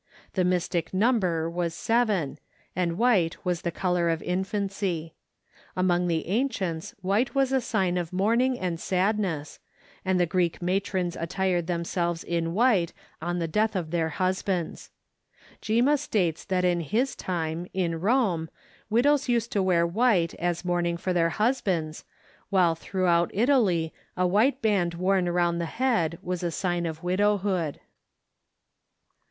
The mystic number was seven, and white was the color of infancy. Among the ancients white was a sign of mourning and sadness, and the Greek matrons attired themselves in white on the death of their husbands. Gimma states that in his time, in Rome, widows used to wear white as mourning for their husbands, while throughout Italy a white band worn around the head was a sign of widowhood.